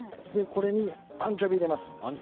これにアンチョビを入れます。